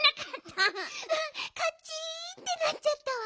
うんカチンってなっちゃったわ。